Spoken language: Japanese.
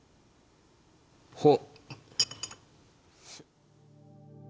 ほっ！